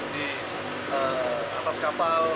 dan di atas kapal